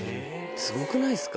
すごくないですか。